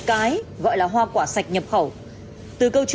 lại to thì ba quả lại nhỏ thì bốn quả